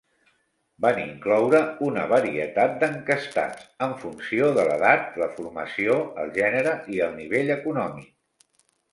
Van incloure una varietat d'enquestats en funció de l'edat, la formació, el gènere i el nivell econòmic...